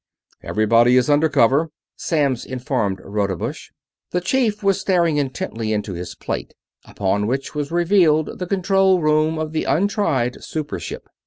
"Everybody is under cover," Samms informed Rodebush. The Chief was staring intently into his plate, upon which was revealed the control room of the untried super ship.